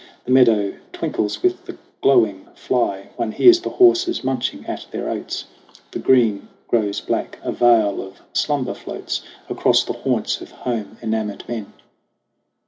The meadow twinkles with the glowing fly. One hears the horses munching at their oats. The green grows black. A veil of slumber floats Across the haunts of home enamored men.